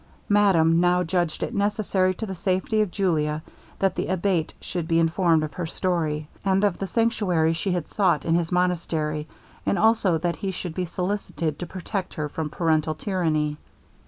Madame now judged it necessary to the safety of Julia, that the Abate should be informed of her story, and of the sanctuary she had sought in his monastery, and also that he should be solicited to protect her from parental tyranny.